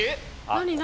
何？